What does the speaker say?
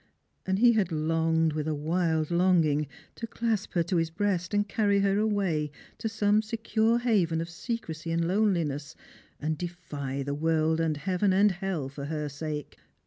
and he had longed with a wild long ing to clasp her to his breast, and carry her away to some secure haven of secresy and loneliness, and defy the world and heaven and hell for her sake.